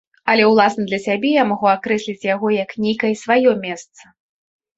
Але ўласна для сябе я магу акрэсліць яго як нейкае сваё месца.